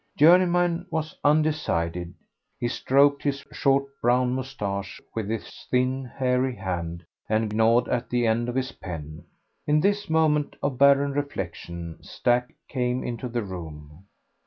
Journeyman was undecided. He stroked his short brown moustache with his thin, hairy hand, and gnawed the end of his pen. In this moment of barren reflection Stack came into the room.